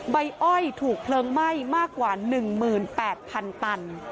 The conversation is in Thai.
ใบอ้อยถูกเพลิงไหม้มากกว่า๑๘๐๐๐ตัน